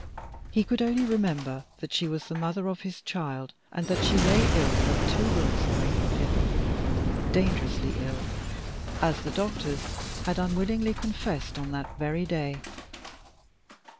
He could only remember that she was the mother of his child, and that she lay ill but two rooms away from him dangerously ill, as the doctors had unwillingly confessed on that very day.